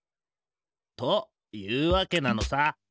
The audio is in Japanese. というわけなのさ。